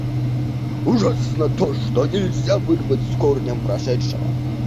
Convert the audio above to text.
Ужасно то, что нельзя вырвать с корнем прошедшего.